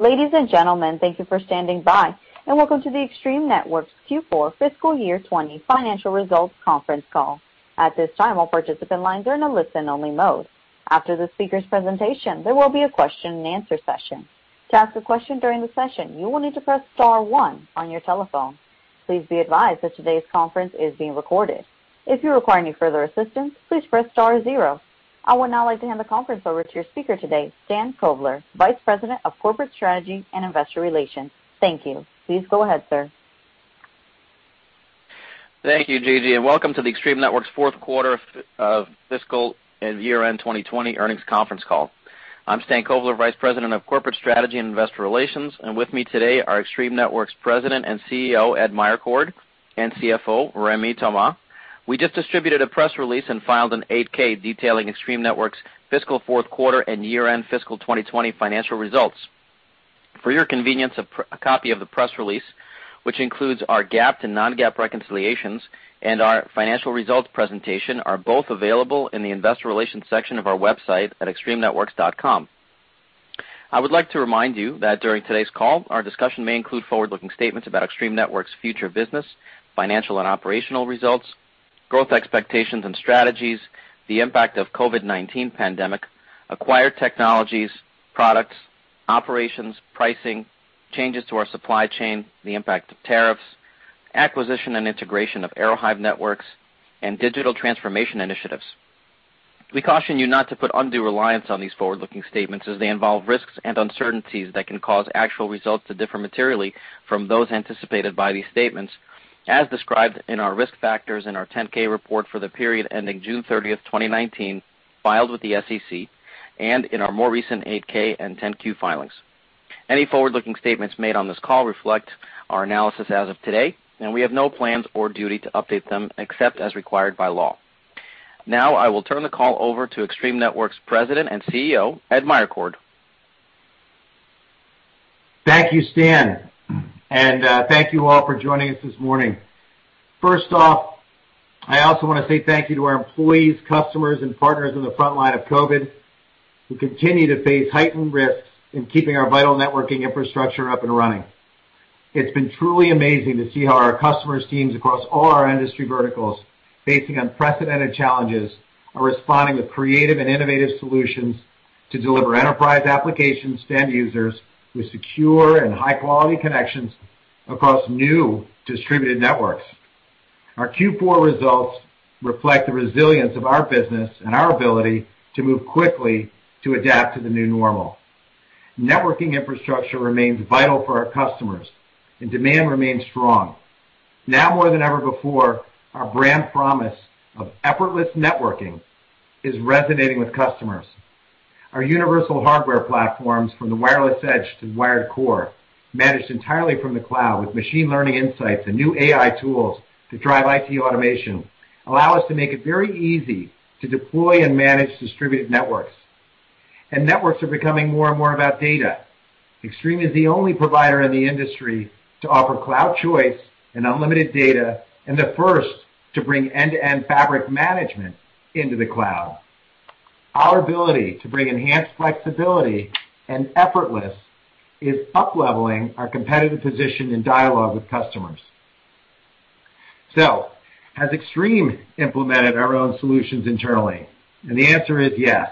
Ladies and gentlemen, thank you for standing by and welcome to the Extreme Networks Q4 Fiscal Year 2020 Financial Results Conference Call. At this time, all participant lines are in a listen-only mode. After the speaker's presentation, there will be a question-and-answer session. To ask a question during the session, you will need to press star one on your telephone. Please be advised that today's conference is being recorded. If you require any further assistance, please press star zero. I would now like to hand the conference over to your speaker today, Stan Kovler, Vice President of Corporate Strategy and Investor Relations. Thank you. Please go ahead, sir Thank you, Gigi, and welcome to the Extreme Networks fourth quarter of fiscal and year-end 2020 earnings conference call. I'm Stan Kovler, Vice President of Corporate Strategy and Investor Relations, and with me today are Extreme Networks President and CEO, Ed Meyercord, and CFO, Rémi Thomas. We just distributed a press release and filed an 8-K detailing Extreme Networks' fiscal fourth quarter and year-end fiscal 2020 financial results. For your convenience, a copy of the press release, which includes our GAAP to non-GAAP reconciliations and our financial results presentation, are both available in the investor relations section of our website at extremenetworks.com. I would like to remind you that during today's call, our discussion may include forward-looking statements about Extreme Networks' future business, financial and operational results, growth expectations and strategies, the impact of COVID-19 pandemic, acquired technologies, products, operations, pricing, changes to our supply chain, the impact of tariffs, acquisition and integration of Aerohive Networks, and digital transformation initiatives. We caution you not to put undue reliance on these forward-looking statements as they involve risks and uncertainties that can cause actual results to differ materially from those anticipated by these statements, as described in our risk factors in our 10-K report for the period ending June 30th, 2019, filed with the SEC, and in our more recent 8-K and 10-Q filings. Any forward-looking statements made on this call reflect our analysis as of today, and we have no plans or duty to update them except as required by law. I will turn the call over to Extreme Networks' President and CEO, Ed Meyercord. Thank you, Stan. Thank you all for joining us this morning. First off, I also want to say thank you to our employees, customers, and partners on the front line of COVID, who continue to face heightened risks in keeping our vital networking infrastructure up and running. It's been truly amazing to see how our customers' teams across all our industry verticals, facing unprecedented challenges, are responding with creative and innovative solutions to deliver enterprise applications to end users with secure and high-quality connections across new distributed networks. Our Q4 results reflect the resilience of our business and our ability to move quickly to adapt to the new normal. Networking infrastructure remains vital for our customers, and demand remains strong. Now more than ever before, our brand promise of effortless networking is resonating with customers. Our universal hardware platforms, from the wireless edge to the wired core, managed entirely from the cloud with machine learning insights and new AI tools to drive IT automation, allow us to make it very easy to deploy and manage distributed networks. Networks are becoming more and more about data. Extreme is the only provider in the industry to offer cloud choice and unlimited data, and the first to bring end-to-end fabric management into the cloud. Our ability to bring enhanced flexibility and effortless is upleveling our competitive position and dialogue with customers. Has Extreme implemented our own solutions internally? The answer is yes.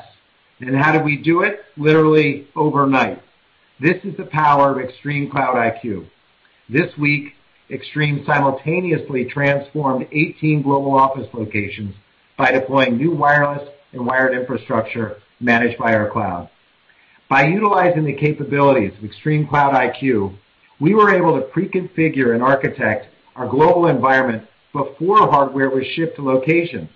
How did we do it? Literally overnight. This is the power of ExtremeCloud IQ. This week, Extreme simultaneously transformed 18 global office locations by deploying new wireless and wired infrastructure managed by our cloud. By utilizing the capabilities of ExtremeCloud IQ, we were able to pre-configure and architect our global environment before hardware was shipped to locations.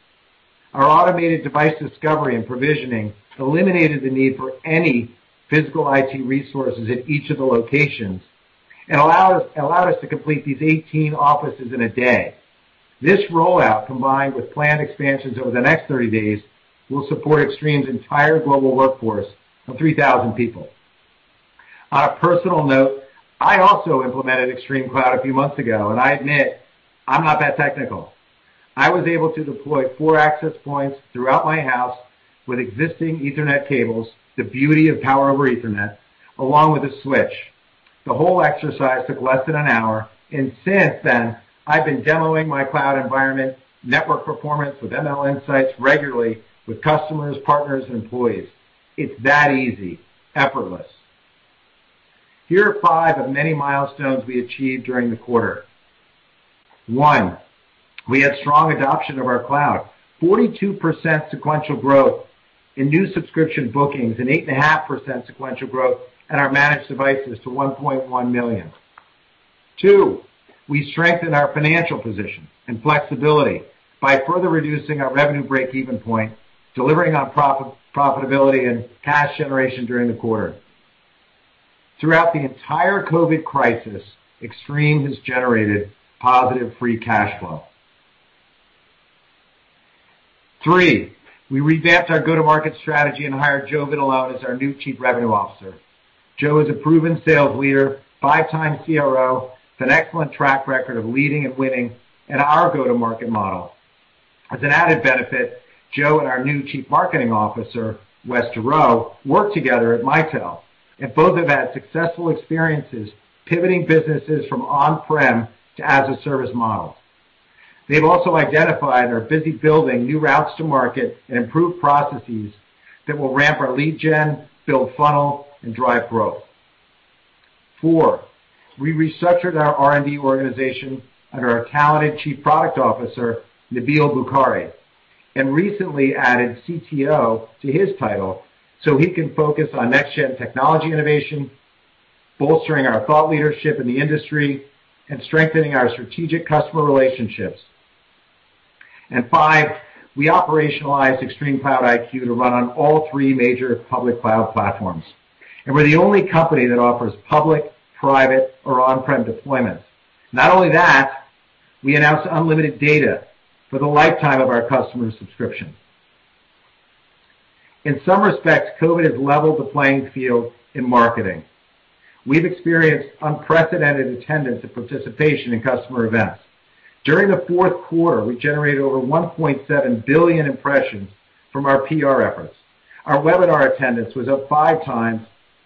Our automated device discovery and provisioning eliminated the need for any physical IT resources at each of the locations and allowed us to complete these 18 offices in a day. This rollout, combined with planned expansions over the next 30 days, will support Extreme's entire global workforce of 3,000 people. On a personal note, I also implemented ExtremeCloud a few months ago, and I admit, I'm not that technical. I was able to deploy four access points throughout my house with existing Ethernet cables, the beauty of power over Ethernet, along with a switch. The whole exercise took less than an hour, and since then, I've been demoing my cloud environment network performance with ML Insights regularly with customers, partners, and employees. It's that easy. Effortless. Here are five of many milestones we achieved during the quarter. One, we had strong adoption of our cloud. 42% sequential growth in new subscription bookings and 8.5% sequential growth in our managed devices to 1.1 million. Two, we strengthened our financial position and flexibility by further reducing our revenue break-even point, delivering on profitability and cash generation during the quarter. Throughout the entire COVID crisis, Extreme has generated positive free cash flow. Three, we revamped our go-to-market strategy and hired Joe Vitalone as our new Chief Revenue Officer. Joe is a proven sales leader, five-time CRO, with an excellent track record of leading and winning in our go-to-market model. As an added benefit, Joe and our new Chief Marketing Officer, Wes Durow, worked together at Mitel, and both have had successful experiences pivoting businesses from on-prem to as-a-service model. They've also identified and are busy building new routes to market and improved processes that will ramp our lead gen, build funnel, and drive growth. Four, we restructured our R&D organization under our talented Chief Product Officer, Nabil Bukhari, and recently added CTO to his title so he can focus on next-gen technology innovation, bolstering our thought leadership in the industry, and strengthening our strategic customer relationships. And five, we operationalized ExtremeCloud IQ to run on all three major public cloud platforms, and we're the only company that offers public, private, or on-prem deployments. Not only that, we announced unlimited data for the lifetime of our customers' subscription. In some respects, COVID has leveled the playing field in marketing. We've experienced unprecedented attendance and participation in customer events. During the fourth quarter, we generated over 1.7 billion impressions from our PR efforts. Our webinar attendance was up five times.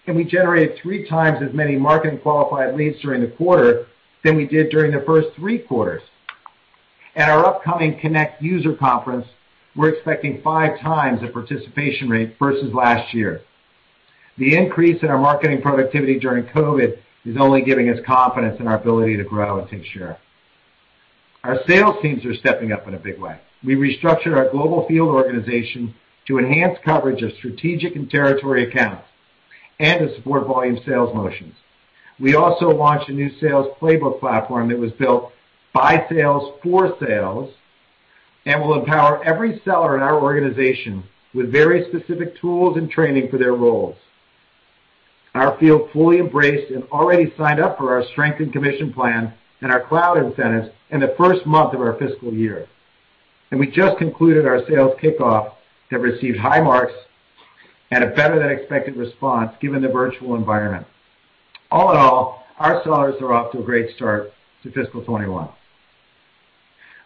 We generated three times as many marketing-qualified leads during the quarter than we did during the first three quarters. At our upcoming Connect user conference, we're expecting five times the participation rate versus last year. The increase in our marketing productivity during COVID is only giving us confidence in our ability to grow and take share. Our sales teams are stepping up in a big way. We restructured our global field organization to enhance coverage of strategic and territory accounts and to support volume sales motions. We also launched a new sales playbook platform that was built by sales for sales and will empower every seller in our organization with very specific tools and training for their roles. Our field fully embraced and already signed up for our strengthened commission plan and our cloud incentives in the first month of our fiscal year. We just concluded our sales kickoff that received high marks and a better-than-expected response, given the virtual environment. All in all, our sellers are off to a great start to fiscal 2021.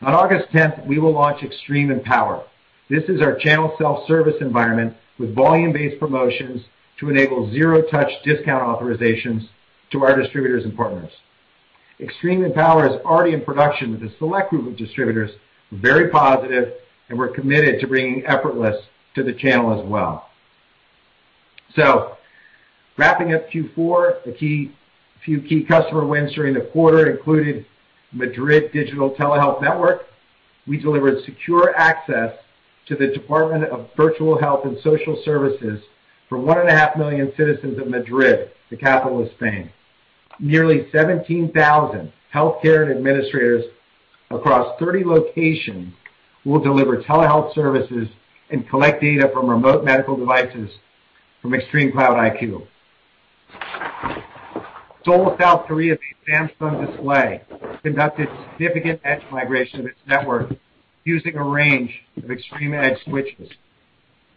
On August 10th, we will launch Extreme Empower. This is our channel self-service environment with volume-based promotions to enable zero-touch discount authorizations to our distributors and partners. Extreme Empower is already in production with a select group of distributors. Very positive, and we're committed to bringing effortless to the channel as well. Wrapping up Q4, a few key customer wins during the quarter included Madrid Digital Telehealth Network. We delivered secure access to the Department of Virtual Health and Social Services for one and a half million citizens of Madrid, the capital of Spain. Nearly 17,000 healthcare administrators across 30 locations will deliver telehealth services and collect data from remote medical devices from ExtremeCloud IQ. Seoul, South Korea-based Samsung Display conducted significant Edge migration of its network using a range of Extreme Edge switches.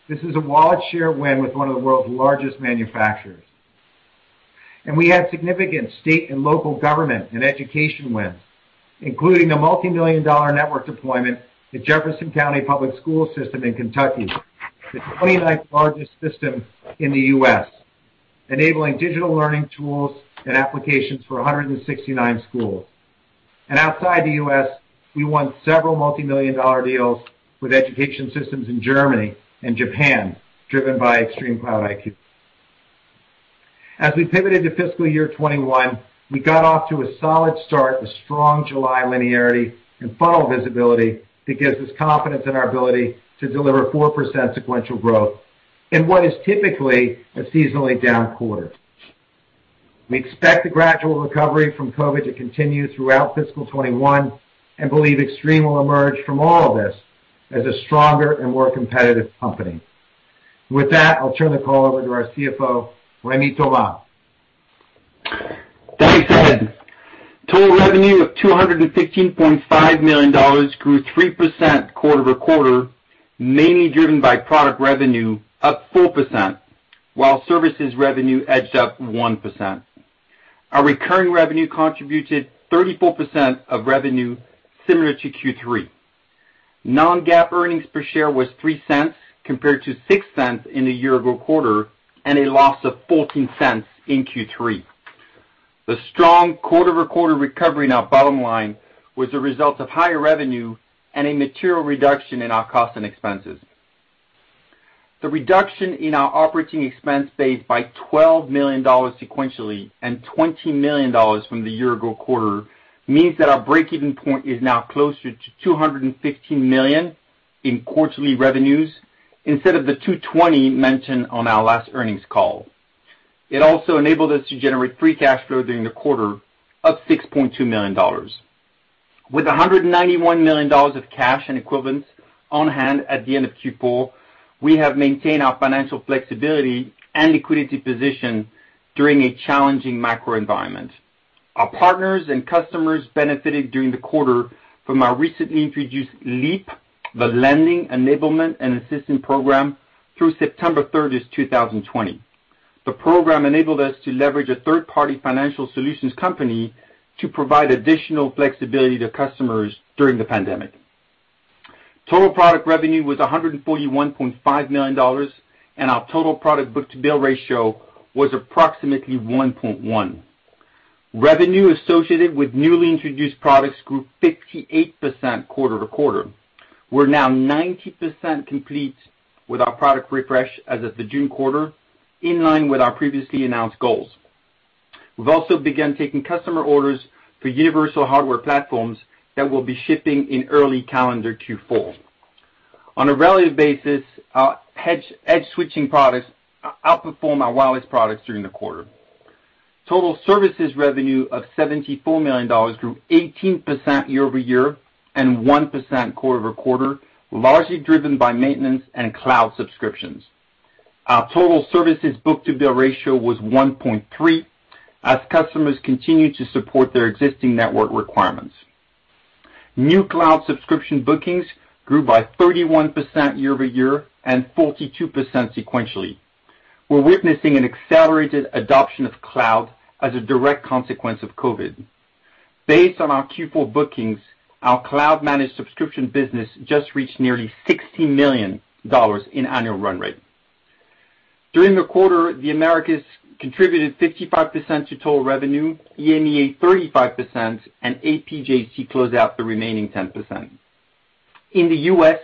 This is a wallet share win with one of the world's largest manufacturers. We had significant state and local government and education wins, including a multimillion-dollar network deployment to Jefferson County Public Schools in Kentucky. It's the 29th largest system in the U.S., enabling digital learning tools and applications for 169 schools. Outside the U.S., we won several multimillion-dollar deals with education systems in Germany and Japan, driven by ExtremeCloud IQ. As we pivoted to fiscal year 2021, we got off to a solid start with strong July linearity and funnel visibility that gives us confidence in our ability to deliver 4% sequential growth in what is typically a seasonally down quarter. We expect the gradual recovery from COVID to continue throughout fiscal 2021 and believe Extreme will emerge from all of this as a stronger and more competitive company. With that, I'll turn the call over to our CFO, Rémi Thomas. Thanks, Ed. Total revenue of $215.5 million grew 3% quarter-over-quarter, mainly driven by product revenue up 4%, while services revenue edged up 1%. Our recurring revenue contributed 34% of revenue similar to Q3. Non-GAAP earnings per share was $0.03 compared to $0.06 in the year-ago quarter and a loss of $0.14 in Q3. The strong quarter-over-quarter recovery in our bottom line was a result of higher revenue and a material reduction in our cost and expenses. The reduction in our operating expense base by $12 million sequentially and $20 million from the year-ago quarter means that our breakeven point is now closer to $215 million in quarterly revenues instead of the $220 million mentioned on our last earnings call. It also enabled us to generate free cash flow during the quarter of $6.2 million. With $191 million of cash and equivalents on hand at the end of Q4, we have maintained our financial flexibility and liquidity position during a challenging macro environment. Our partners and customers benefited during the quarter from our recently introduced LEAP, the Lending Enablement and Assistance Program, through September 30, 2020. The program enabled us to leverage a third-party financial solutions company to provide additional flexibility to customers during the pandemic. Total product revenue was $141.5 million, and our total product book-to-bill ratio was approximately 1.1. Revenue associated with newly introduced products grew 58% quarter to quarter. We're now 90% complete with our product refresh as of the June quarter, in line with our previously announced goals. We've also begun taking customer orders for universal hardware platforms that will be shipping in early calendar Q4. On a relative basis, our edge switching products outperformed our wireless products during the quarter. Total services revenue of $74 million grew 18% year-over-year and 1% quarter-over-quarter, largely driven by maintenance and cloud subscriptions. Our total services book-to-bill ratio was 1.3, as customers continued to support their existing network requirements. New cloud subscription bookings grew by 31% year-over-year and 42% sequentially. We're witnessing an accelerated adoption of cloud as a direct consequence of COVID. Based on our Q4 bookings, our cloud-managed subscription business just reached nearly $60 million in annual run rate. During the quarter, the Americas contributed 55% to total revenue, EMEA 35%, and APJC closed out the remaining 10%. In the U.S.,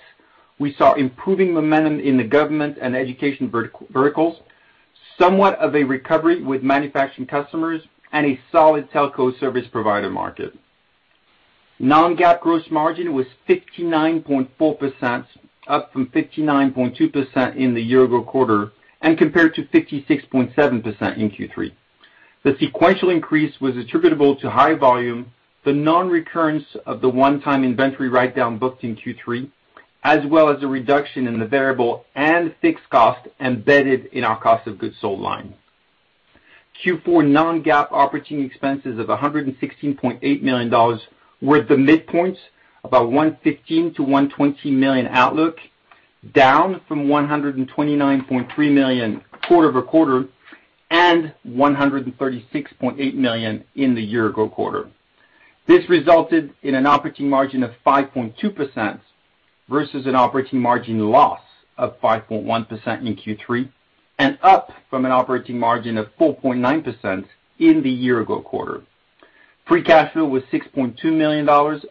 we saw improving momentum in the government and education verticals, somewhat of a recovery with manufacturing customers, and a solid telco service provider market. Non-GAAP gross margin was 59.4%, up from 59.2% in the year-ago quarter and compared to 56.7% in Q3. The sequential increase was attributable to high volume, the non-recurrence of the one-time inventory write-down booked in Q3, as well as a reduction in the variable and fixed cost embedded in our cost of goods sold line. Q4 non-GAAP operating expenses of $116.8 million were at the midpoints of our $115 million-$120 million outlook, down from $129.3 million quarter-over-quarter and $136.8 million in the year-ago quarter. This resulted in an operating margin of 5.2% versus an operating margin loss of 5.1% in Q3 and up from an operating margin of 4.9% in the year-ago quarter. Free cash flow was $6.2 million,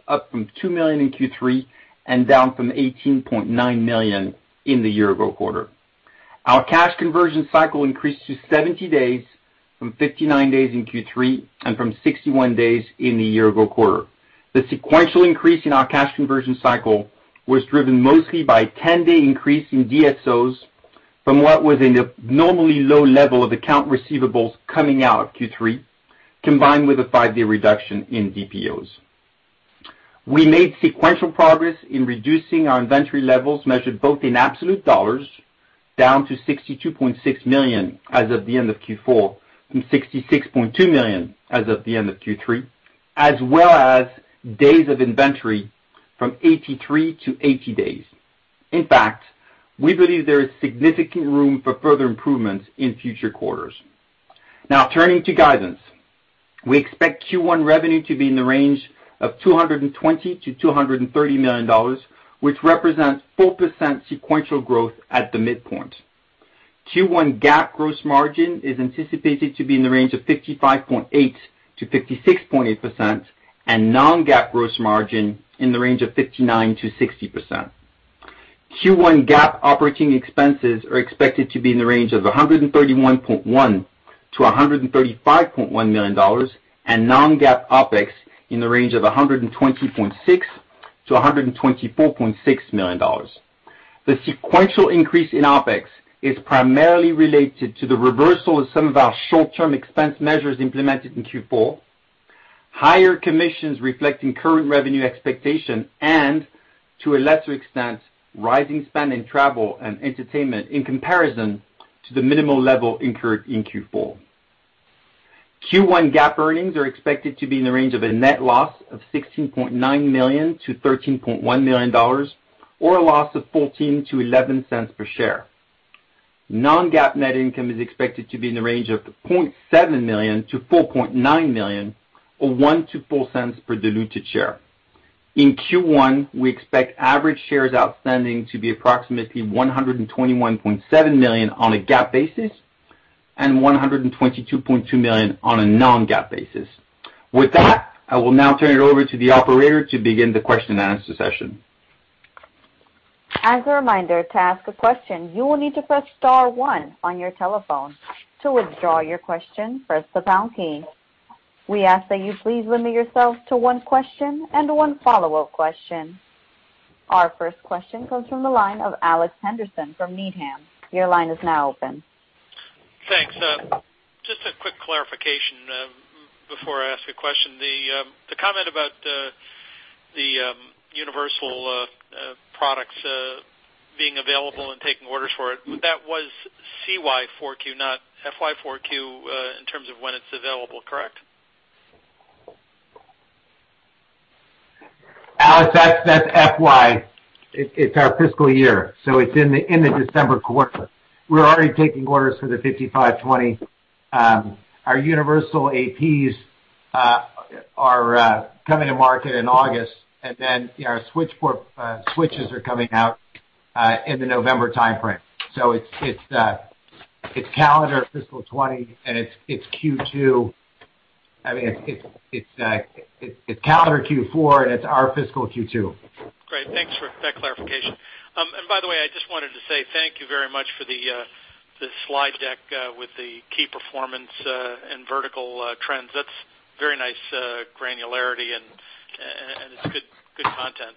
up from $2 million in Q3 and down from $18.9 million in the year-ago quarter. Our cash conversion cycle increased to 70 days from 59 days in Q3 and from 61 days in the year-ago quarter. The sequential increase in our cash conversion cycle was driven mostly by a 10-day increase in DSO from what was a normally low level of account receivables coming out of Q3, combined with a five-day reduction in DPO. We made sequential progress in reducing our inventory levels, measured both in absolute dollars, down to $62.6 million as of the end of Q4 from $66.2 million as of the end of Q3, as well as days of inventory from 83 to 80 days. In fact, we believe there is significant room for further improvements in future quarters. Now, turning to guidance. We expect Q1 revenue to be in the range of $220 million-$230 million, which represents 4% sequential growth at the midpoint. Q1 GAAP gross margin is anticipated to be in the range of 55.8%-56.8%, and non-GAAP gross margin in the range of 59%-60%. Q1 GAAP operating expenses are expected to be in the range of $131.1 million-$135.1 million, and non-GAAP OpEx in the range of $120.6 million-$124.6 million. The sequential increase in OpEx is primarily related to the reversal of some of our short-term expense measures implemented in Q4, higher commissions reflecting current revenue expectation, and, to a lesser extent, rising spend in travel and entertainment in comparison to the minimal level incurred in Q4. Q1 GAAP earnings are expected to be in the range of a net loss of $16.9 million-$13.1 million, or a loss of $0.14-$0.11 per share. Non-GAAP net income is expected to be in the range of $0.7 million-$4.9 million, or $0.01-$0.04 per diluted share.. In Q1, we expect average shares outstanding to be approximately $121.7 million on a GAAP basis and $122.2 million on a non-GAAP basis. With that, I will now turn it over to the operator to begin the question-and-answer session. As a reminder, to ask a question, you will need to press star one on your telephone. To withdraw your question, press the pound key. We ask that you please limit yourself to one question and one follow-up question. Our first question comes from the line of Alex Henderson from Needham. Your line is now open. Thanks. Just a quick clarification before I ask a question. The comment about the universal products being available and taking orders for it, that was CY4Q, not FY4Q, in terms of when it's available, correct? Well, that's FY. It's our fiscal year, so it's in the December quarter. We're already taking orders for the 5520. Our universal APs are coming to market in August, and then our switches are coming out in the November timeframe. It's calendar fiscal 2020, and it's calendar Q4, and it's our fiscal Q2. Great. Thanks for that clarification. By the way, I just wanted to say thank you very much for the slide deck with the key performance and vertical trends. That's very nice granularity, and it's good content.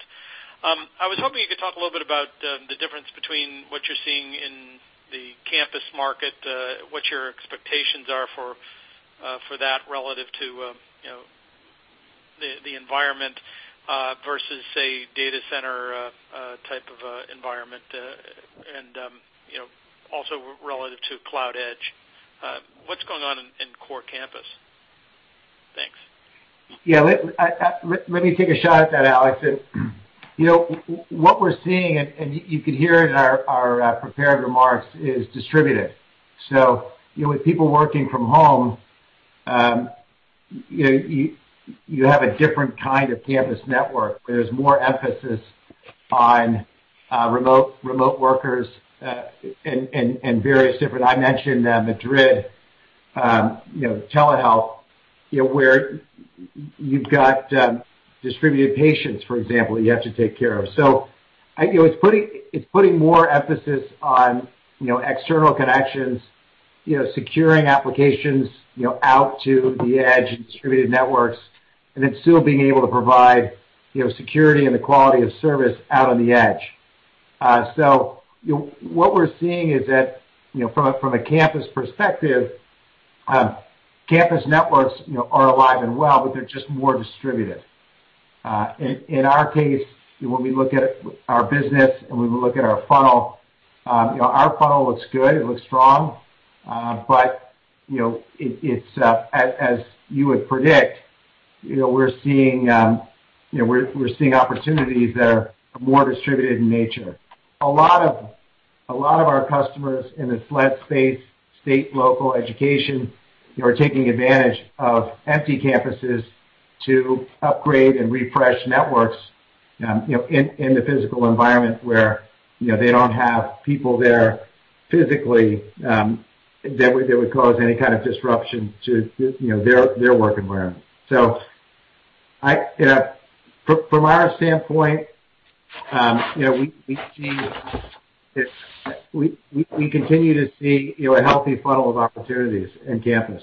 I was hoping you could talk a little bit about the difference between what you're seeing in the campus market, what your expectations are for that relative to the environment versus, say, data center type of environment, and also relative to cloud edge. What's going on in core campus? Thanks. Yeah. Let me take a shot at that, Alex. What we're seeing, and you could hear in our prepared remarks, is distributed. With people working from home, you have a different kind of campus network. There's more emphasis on remote workers, I mentioned Madrid, telehealth, where you've got distributed patients, for example, you have to take care of. It's putting more emphasis on external connections, securing applications out to the edge and distributed networks, and then still being able to provide security and the quality of service out on the edge. What we're seeing is that from a campus perspective, campus networks are alive and well, but they're just more distributed. In our case, when we look at our business and we look at our funnel, our funnel looks good. It looks strong. As you would predict, we're seeing opportunities that are more distributed in nature. A lot of our customers in the SLED space, state, local, education, are taking advantage of empty campuses to upgrade and refresh networks in the physical environment where they don't have people there physically that would cause any kind of disruption to their work environment. From our standpoint, we continue to see a healthy funnel of opportunities in campus.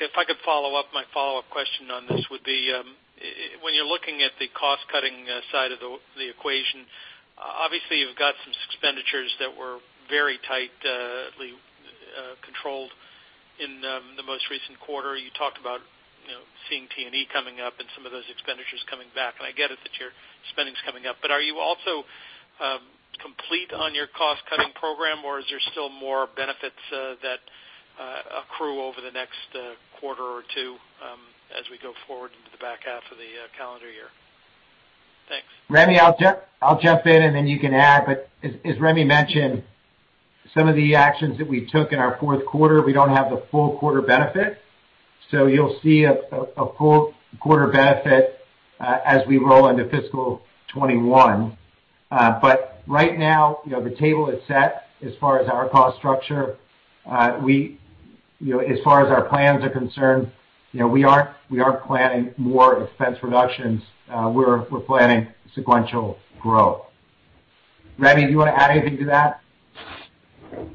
If I could follow up, my follow-up question on this would be, when you're looking at the cost-cutting side of the equation, obviously you've got some expenditures that were very tightly controlled in the most recent quarter. You talked about seeing T&E coming up and some of those expenditures coming back, and I get it that your spending's coming up. Are you also complete on your cost-cutting program, or is there still more benefits that accrue over the next quarter or two as we go forward into the back half of the calendar year? Thanks. Rémi, I'll jump in and then you can add. As Rémi mentioned, some of the actions that we took in our fourth quarter, we don't have the full quarter benefit. You'll see a full quarter benefit as we roll into fiscal 2021. Right now, the table is set as far as our cost structure. As far as our plans are concerned, we aren't planning more expense reductions. We're planning sequential growth. Rémi, do you want to add anything to that?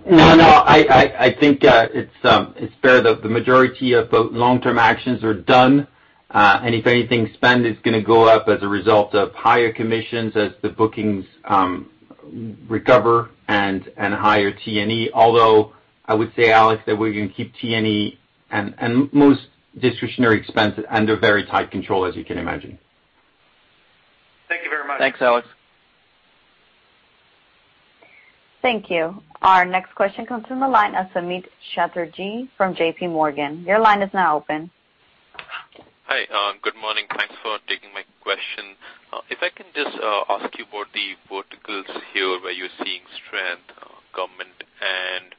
No, I think it's fair that the majority of both long-term actions are done. If anything, spend is going to go up as a result of higher commissions as the bookings recover and higher T&E. Although I would say, Alex, that we're going to keep T&E and most discretionary expenses under very tight control, as you can imagine. Thank you very much. Thanks, Alex. Thank you. Our next question comes from the line of Samik Chatterjee from J.P. Morgan. Your line is now open. Hi. Good morning. Thanks for taking my question. If I can just ask you about the verticals here where you're seeing strength, government and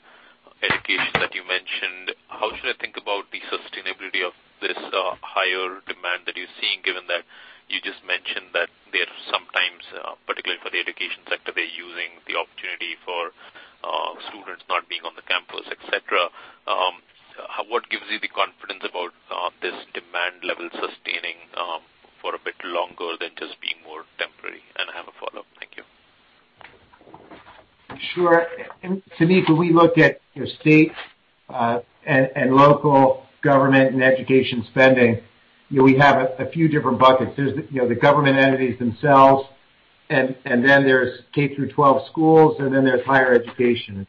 education that you mentioned. How should I think about the sustainability of this higher demand that you're seeing, given that you just mentioned that there are some times, particularly for the education sector, they're using the opportunity for students not being on the campus, et cetera? What gives you the confidence about this demand level sustaining for a bit longer than just being more temporary? I have a follow-up. Thank you. Sure. Samik, when we look at state and local government and education spending, we have a few different buckets. There's the government entities themselves, and then there's K through 12 schools, and then there's higher education.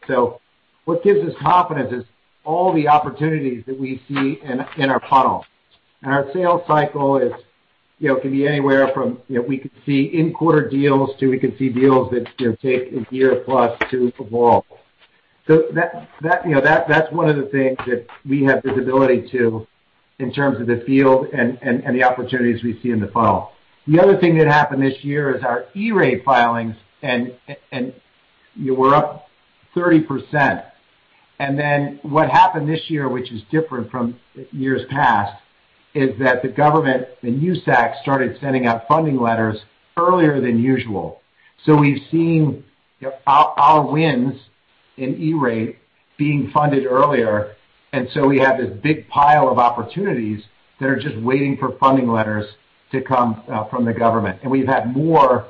What gives us confidence is all the opportunities that we see in our funnel. Our sales cycle can be anywhere from we could see in-quarter deals to we can see deals that take a year plus to evolve. That's one of the things that we have visibility to in terms of the field and the opportunities we see in the funnel. The other thing that happened this year is our E-Rate filings, and we're up 30%. What happened this year, which is different from years past, is that the government, the USAC, started sending out funding letters earlier than usual. We've seen our wins in E-Rate being funded earlier. We have this big pile of opportunities that are just waiting for funding letters to come from the government. We've had more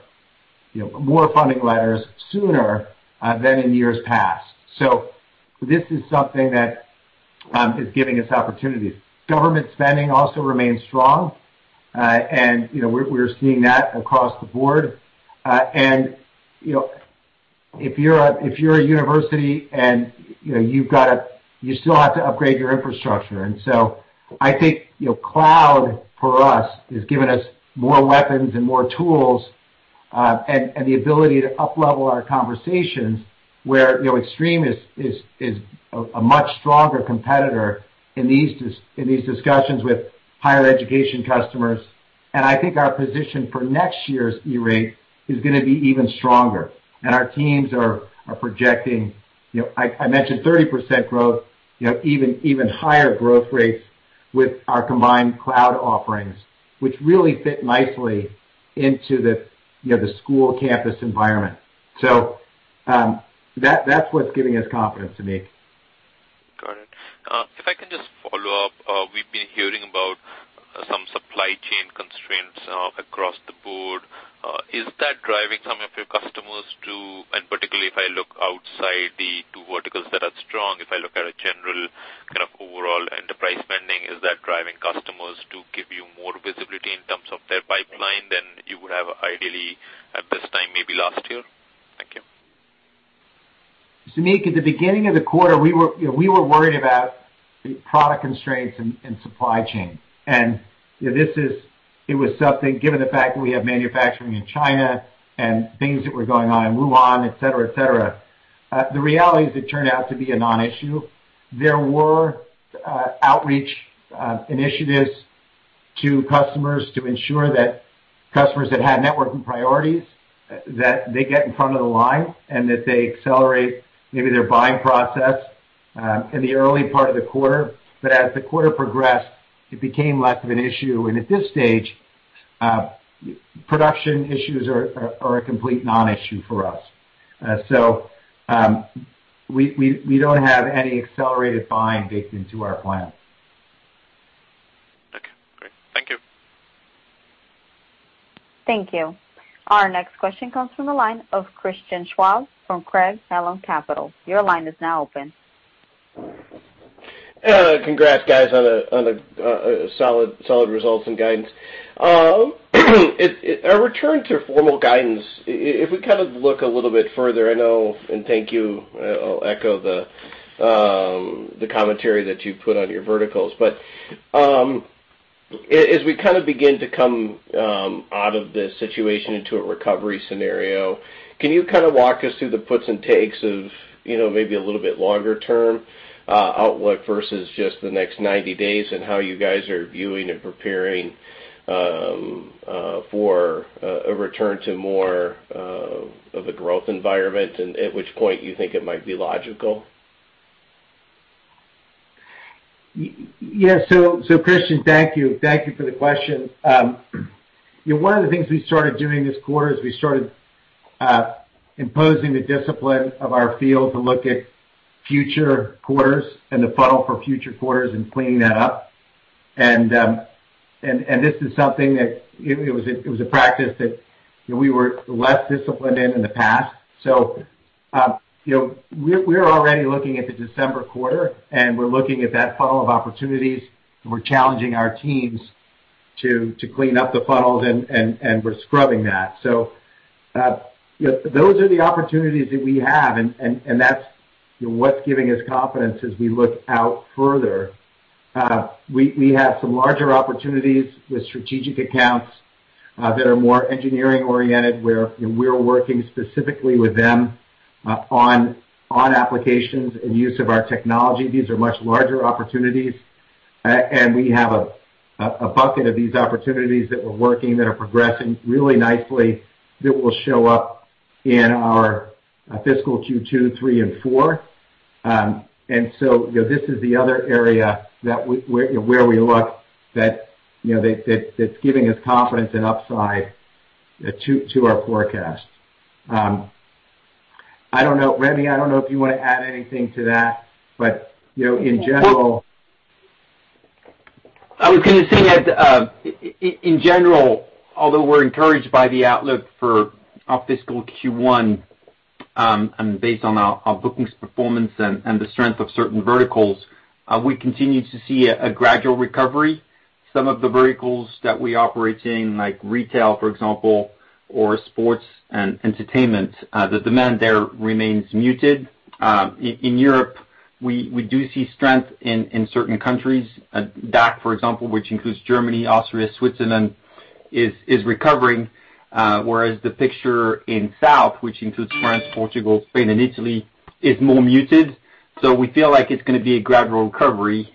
funding letters sooner than in years past. This is something that is giving us opportunities. Government spending also remains strong. We're seeing that across the board. If you're a university and you still have to upgrade your infrastructure. I think cloud for us has given us more weapons and more tools, and the ability to uplevel our conversations where Extreme is a much stronger competitor in these discussions with higher education customers. I think our position for next year's E-Rate is going to be even stronger. Our teams are projecting, I mentioned 30% growth, even higher growth rates with our combined cloud offerings, which really fit nicely into the school campus environment. That's what's giving us confidence, Samik. Got it. If I can just follow up, we've been hearing about some supply chain constraints across the board. Is that driving some of your customers to, and particularly if I look outside the two verticals that are strong, if I look at a general kind of overall enterprise spending, is that driving customers to give you more visibility in terms of their pipeline than you would have ideally at this time maybe last year? Thank you. Samik, at the beginning of the quarter, we were worried about the product constraints and supply chain. It was something, given the fact that we have manufacturing in China and things that were going on in Wuhan, et cetera. The reality is it turned out to be a non-issue. There were outreach initiatives to customers to ensure that customers that had networking priorities, that they get in front of the line, and that they accelerate maybe their buying process in the early part of the quarter. As the quarter progressed, it became less of an issue. At this stage, production issues are a complete non-issue for us. We don't have any accelerated buying baked into our plans. Okay, great. Thank you. Thank you. Our next question comes from the line of Christian Schwab from Craig-Hallum Capital. Your line is now open. Congrats, guys, on the solid results and guidance. A return to formal guidance. If we kind of look a little bit further, I know, and thank you, I'll echo the commentary that you've put on your verticals. As we kind of begin to come out of this situation into a recovery scenario, can you kind of walk us through the puts and takes of maybe a little bit longer-term outlook versus just the next 90 days, and how you guys are viewing and preparing for a return to more of the growth environment and at which point you think it might be logical? Christian, thank you. Thank you for the question. One of the things we started doing this quarter is we started imposing the discipline of our field to look at future quarters and the funnel for future quarters and cleaning that up. This is something that it was a practice that we were less disciplined in the past. We're already looking at the December quarter, and we're looking at that funnel of opportunities, and we're challenging our teams to clean up the funnels, and we're scrubbing that. Those are the opportunities that we have, and that's what's giving us confidence as we look out further. We have some larger opportunities with strategic accounts that are more engineering-oriented, where we're working specifically with them on applications and use of our technology. These are much larger opportunities. We have a bucket of these opportunities that we're working that are progressing really nicely that will show up in our fiscal Q2, 3, and 4. This is the other area where we look that's giving us confidence and upside to our forecast. Rémi, I don't know if you want to add anything to that, but in general. I was going to say that, in general, although we're encouraged by the outlook for our fiscal Q1, based on our bookings performance and the strength of certain verticals, we continue to see a gradual recovery. Some of the verticals that we operate in, like retail, for example, or sports and entertainment, the demand there remains muted. In Europe, we do see strength in certain countries, DACH, for example, which includes Germany, Austria, Switzerland. is recovering, whereas the picture in South, which includes France, Portugal, Spain, and Italy, is more muted. We feel like it's going to be a gradual recovery.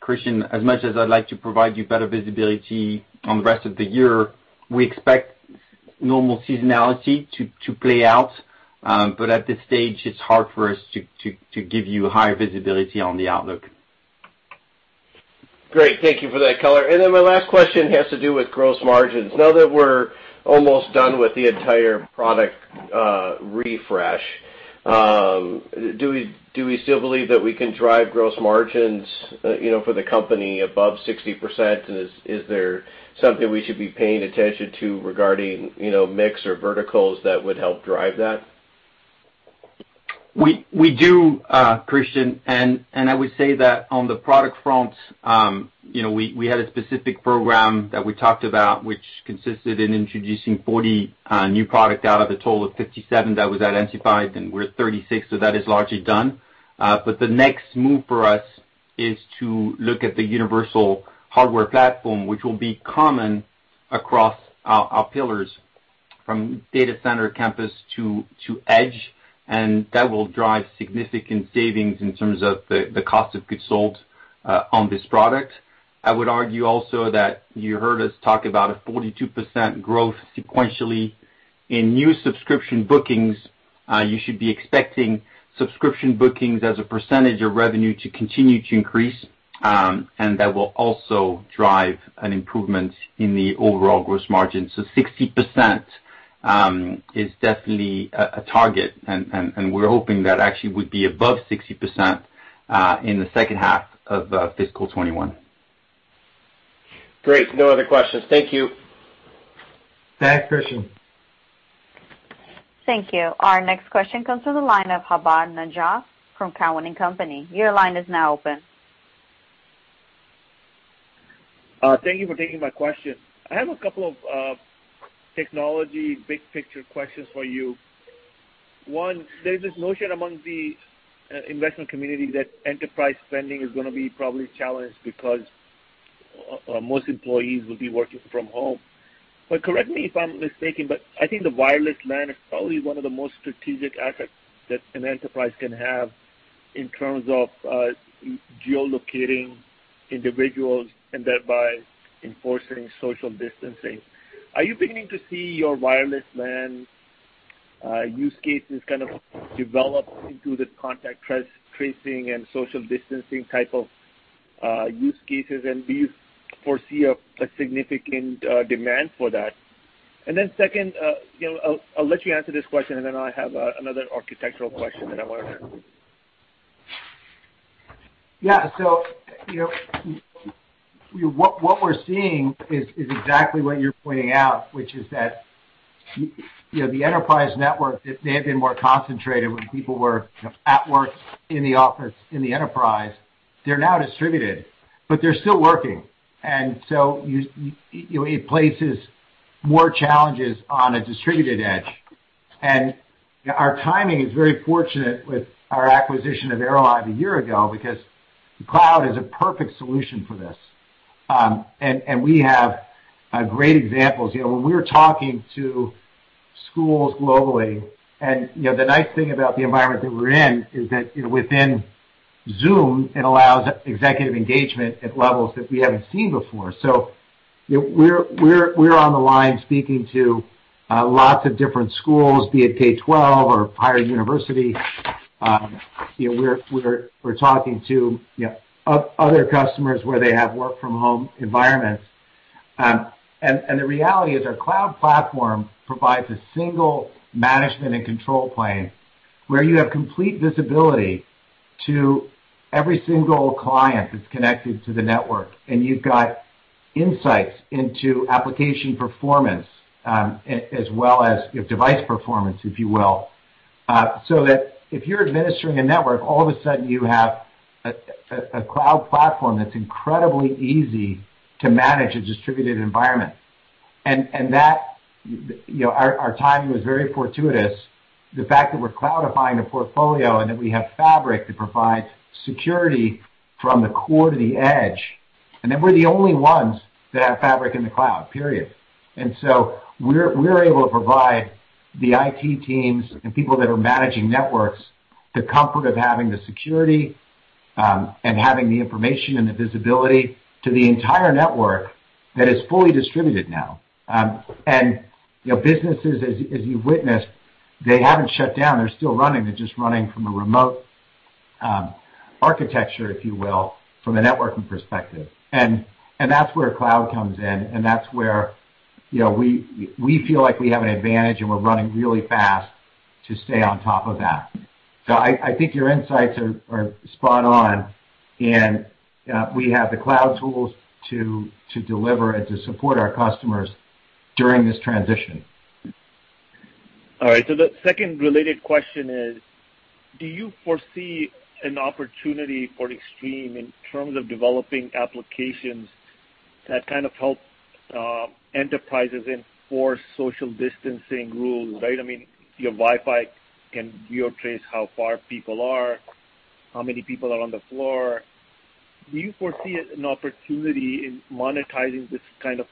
Christian, as much as I'd like to provide you better visibility on the rest of the year, we expect normal seasonality to play out. At this stage, it's hard for us to give you high visibility on the outlook. Great. Thank you for that color. Then my last question has to do with gross margins. Now that we're almost done with the entire product refresh, do we still believe that we can drive gross margins for the company above 60%? Is there something we should be paying attention to regarding mix or verticals that would help drive that? We do, Christian. I would say that on the product front, we had a specific program that we talked about, which consisted in introducing 40 new product out of a total of 57 that was identified, and we're 36, that is largely done. The next move for us is to look at the universal hardware platform, which will be common across our pillars, from data center campus to edge, and that will drive significant savings in terms of the cost of goods sold on this product. I would argue also that you heard us talk about a 42% growth sequentially in new subscription bookings. You should be expecting subscription bookings as a percentage of revenue to continue to increase, and that will also drive an improvement in the overall gross margin. 60% is definitely a target, and we're hoping that actually would be above 60% in the second half of fiscal 2021. Great. No other questions. Thank you. Thanks, Christian. Thank you. Our next question comes from the line of Fahad Najam from Cowen and Company. Your line is now open. Thank you for taking my question. I have a couple of technology big picture questions for you. One, there's this notion among the investment community that enterprise spending is going to be probably challenged because most employees will be working from home. Correct me if I'm mistaken, but I think the wireless LAN is probably one of the most strategic assets that an enterprise can have in terms of geo-locating individuals and thereby enforcing social distancing. Are you beginning to see your wireless LAN use cases kind of develop into the contact tracing and social distancing type of use cases? Do you foresee a significant demand for that? Second, I'll let you answer this question, and then I have another architectural question that I want to ask. Yeah. What we're seeing is exactly what you're pointing out, which is that the enterprise network may have been more concentrated when people were at work in the office, in the enterprise. They're now distributed, but they're still working. It places more challenges on a distributed edge. Our timing is very fortunate with our acquisition of Aerohive a year ago, because the cloud is a perfect solution for this. We have great examples. When we're talking to schools globally, and the nice thing about the environment that we're in is that within Zoom, it allows executive engagement at levels that we haven't seen before. We're on the line speaking to lots of different schools, be it K12 or higher university. We're talking to other customers where they have work from home environments. The reality is our cloud platform provides a single management and control plane where you have complete visibility to every single client that's connected to the network, and you've got insights into application performance, as well as device performance, if you will. That if you're administering a network, all of a sudden you have a cloud platform that's incredibly easy to manage a distributed environment. Our timing was very fortuitous. The fact that we're cloudifying a portfolio and that we have fabric that provides security from the core to the edge, and then we're the only ones that have fabric in the cloud, period. We're able to provide the IT teams and people that are managing networks the comfort of having the security, and having the information and the visibility to the entire network that is fully distributed now. Businesses, as you've witnessed, they haven't shut down. They're still running. They're just running from a remote architecture, if you will, from a networking perspective. That's where cloud comes in, and that's where we feel like we have an advantage and we're running really fast to stay on top of that. I think your insights are spot on, and we have the cloud tools to deliver and to support our customers during this transition. All right. The second related question is, do you foresee an opportunity for Extreme in terms of developing applications that help enterprises enforce social distancing rules, right? I mean, your Wi-Fi can geotrace how far people are. How many people are on the floor? Do you foresee an opportunity in monetizing this kind of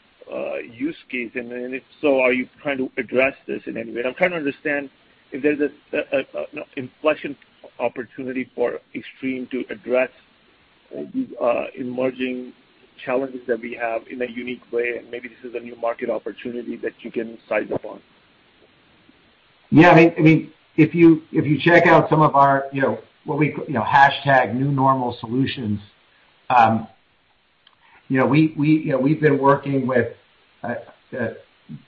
use case? If so, are you trying to address this in any way? I'm trying to understand if there's an inflection opportunity for Extreme to address these emerging challenges that we have in a unique way, and maybe this is a new market opportunity that you can size up on. Yeah. If you check out some of our, what we call, hashtag new normal solutions, we've been working with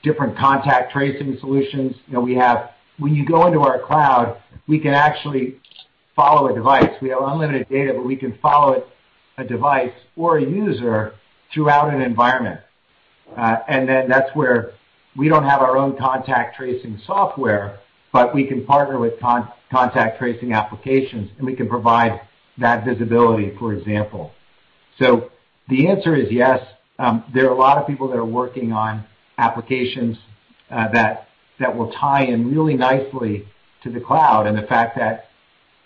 different contact tracing solutions. When you go into our Cloud, we can actually follow a device. We have unlimited data, but we can follow a device or a user throughout an environment. That's where we don't have our own contact tracing software, but we can partner with contact tracing applications, and we can provide that visibility, for example. The answer is yes. There are a lot of people that are working on applications that will tie in really nicely to the cloud, and the fact that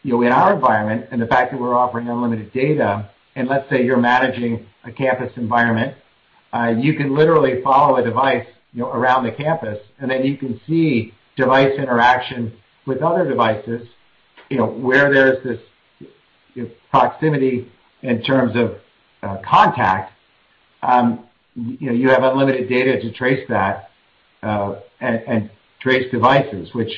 in our environment and the fact that we're offering unlimited data, and let's say you're managing a campus environment, you can literally follow a device around the campus, and then you can see device interaction with other devices, where there's this proximity in terms of contact. You have unlimited data to trace that, and trace devices, which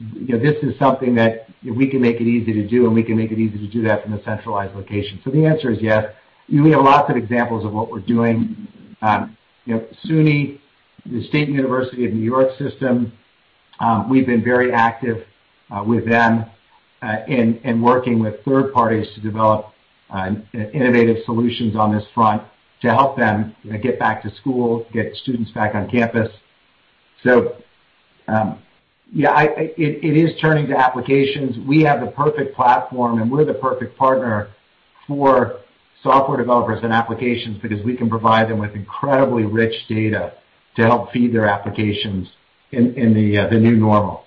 this is something that we can make it easy to do, and we can make it easy to do that from a centralized location. The answer is yes. We have lots of examples of what we're doing. SUNY, the State University of New York system, we've been very active with them in working with third parties to develop innovative solutions on this front to help them get back to school, get students back on campus. Yeah, it is turning to applications. We have the perfect platform, and we're the perfect partner for software developers and applications because we can provide them with incredibly rich data to help feed their applications in the new normal.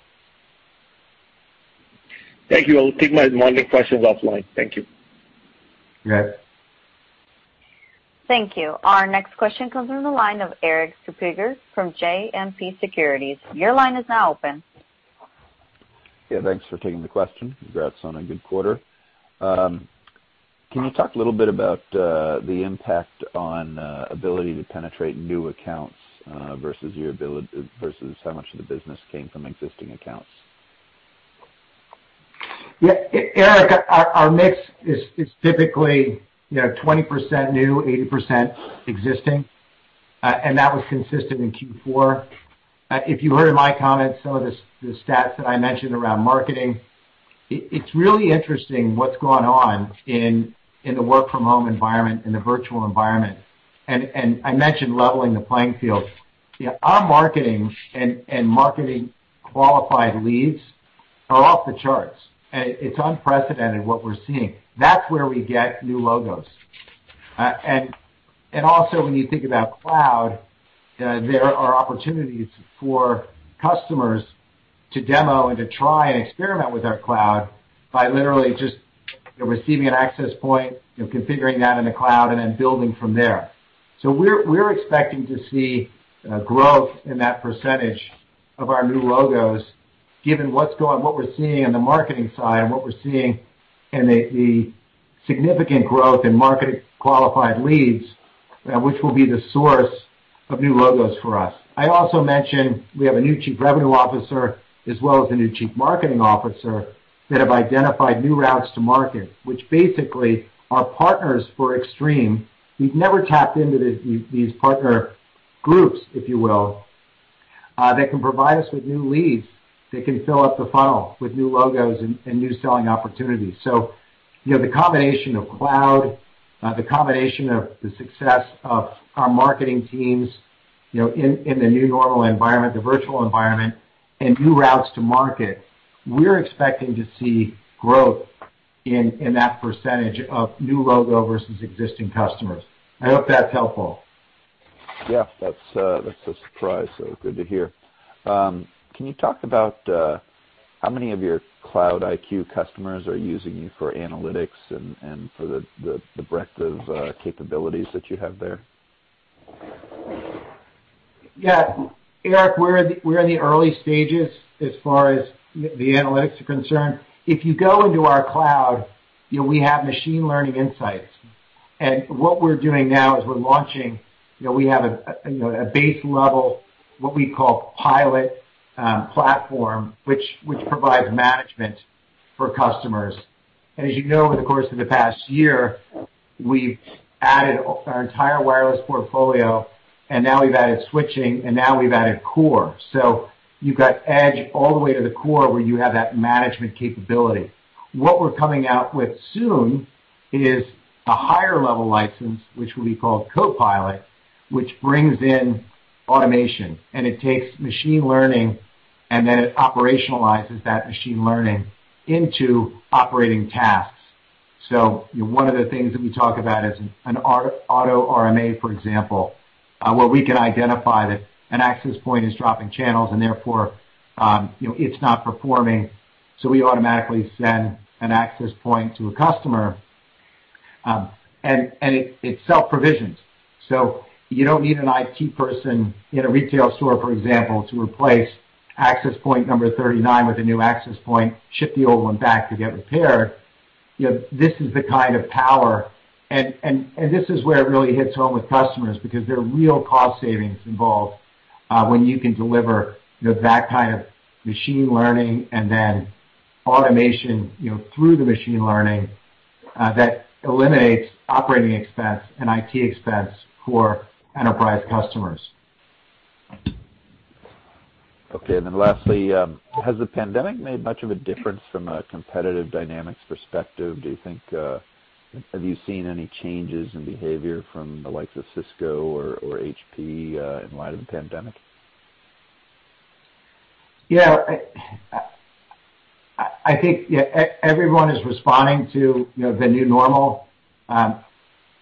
Thank you. I'll take my remaining questions offline. Thank you. You bet. Thank you. Our next question comes from the line of Eric Suppiger from JMP Securities. Yeah, thanks for taking the question. Congrats on a good quarter. Can you talk a little bit about the impact on ability to penetrate new accounts versus how much of the business came from existing accounts? Yeah. Eric, our mix is typically 20% new, 80% existing. That was consistent in Q4. If you heard my comments, some of the stats that I mentioned around marketing, it's really interesting what's going on in the work-from-home environment, in the virtual environment. I mentioned leveling the playing field. Our marketing and marketing qualified leads are off the charts. It's unprecedented what we're seeing. That's where we get new logos. Also, when you think about cloud, there are opportunities for customers to demo and to try and experiment with our cloud by literally just receiving an access point, configuring that in the cloud, and then building from there. We're expecting to see growth in that percentage of our new logos, given what we're seeing on the marketing side and what we're seeing in the significant growth in marketing qualified leads, which will be the source of new logos for us. I also mentioned we have a new Chief Revenue Officer as well as a new Chief Marketing Officer that have identified new routes to market, which basically are partners for Extreme. We've never tapped into these partner groups, if you will, that can provide us with new leads, that can fill up the funnel with new logos and new selling opportunities. The combination of cloud, the combination of the success of our marketing teams in the new normal environment, the virtual environment, and new routes to market, we're expecting to see growth in that percentage of new logo versus existing customers. I hope that's helpful. Yeah. That's a surprise, so good to hear. Can you talk about how many of your ExtremeCloud IQ customers are using you for analytics and for the breadth of capabilities that you have there? Yeah. Eric, we're in the early stages as far as the analytics are concerned. If you go into our cloud, we have machine learning insights. What we're doing now is we're launching, we have a base level, what we call Pilot platform, which provides management for customers. As you know, over the course of the past year, we've added our entire wireless portfolio, and now we've added switching, and now we've added core. You've got edge all the way to the core where you have that management capability. What we're coming out with soon is a higher-level license, which will be called CoPilot, which brings in automation, and it takes machine learning, and then it operationalizes that machine learning into operating tasks. One of the things that we talk about is an auto RMA, for example, where we can identify that an access point is dropping channels and therefore it's not performing. We automatically send an access point to a customer, and it's self-provisioned, so you don't need an IT person in a retail store, for example, to replace access point number 39 with a new access point, ship the old one back to get repaired. This is the kind of power, and this is where it really hits home with customers because there are real cost savings involved when you can deliver that kind of machine learning and then automation through the machine learning that eliminates operating expense and IT expense for enterprise customers. Okay, lastly, has the pandemic made much of a difference from a competitive dynamics perspective, do you think? Have you seen any changes in behavior from the likes of Cisco or HP in light of the pandemic? Yeah. I think everyone is responding to the new normal.